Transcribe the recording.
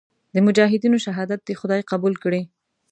د مجاهدینو شهادت دې خدای قبول کړي.